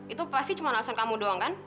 itu pasti cuma alasan kamu doang kan